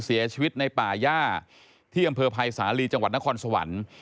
เสียชีวิตในป่าย่าที่อำเภอภัยสาลีจังหวัดนครสวรรค์